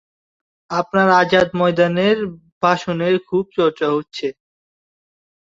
আপনার আজাদ ময়দানের ভাষণের খুব চর্চা হচ্ছে।